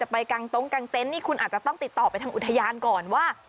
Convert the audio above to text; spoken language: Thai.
ไปกลางเต้นที่คุณอาจจะต้องติดต่อไปทางอุทยานก่อนว่า